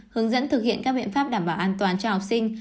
hướng dẫn thực hiện các biện pháp đảm bảo an toàn cho học sinh